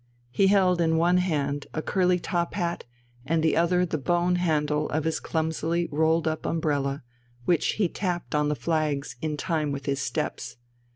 He held in one hand a curly top hat and in the other the bone handle of his clumsily rolled up umbrella, which he tapped on the flags in time with his steps.